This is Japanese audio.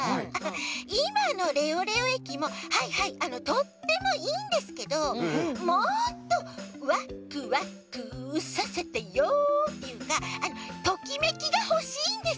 いまのレオレオえきもはいはいとってもいいんですけどもっとワクワクさせてよっていうかトキメキがほしいんです。